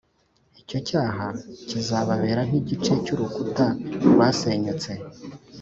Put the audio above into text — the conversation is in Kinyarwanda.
Icyo cyaha kizababera nk igice cy urukuta rwasenyutse